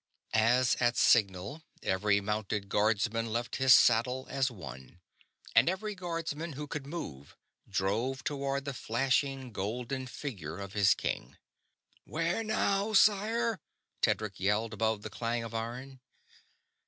As at signal, every mounted Guardsman left his saddle as one; and every Guardsman who could move drove toward the flashing golden figure of his king. "Where now, sire?" Tedric yelled, above the clang of iron.